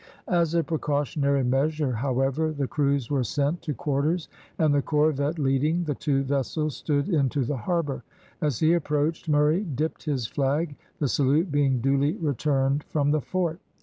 As a precautionary measure, however, the crews were sent to quarters, and, the corvette leading, the two vessels stood into the harbour. As he approached, Murray dipped his flag, the salute being duly returned from the fort.